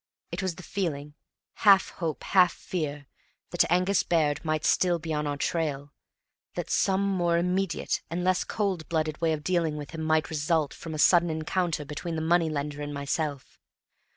It was the feeling half hope, half fear that Angus Baird might still be on our trail that some more immediate and less cold blooded way of dealing with him might result from a sudden encounter between the money lender and myself.